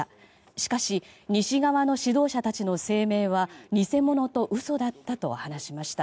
しかし西側の指導者たちの声明は偽物と嘘だったと話しました。